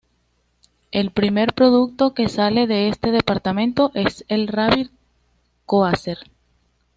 El primer producto que sale de este departamento es el "Rabbit Coaster".